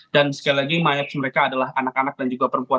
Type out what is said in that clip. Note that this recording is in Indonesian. dan sekali lagi mayat mereka adalah anak anak dan juga perempuan